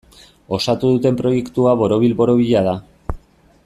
Osatu duten proiektua borobil-borobila da.